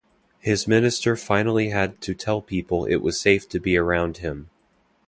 His minister finally had to tell people it was safe to be around him.